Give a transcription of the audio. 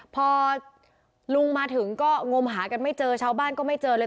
พอลุงมาถึงก็งมหากันไม่เจอชาวบ้านก็ไม่เจอเลย